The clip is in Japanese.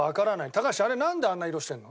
高橋あれなんであんな色してるの？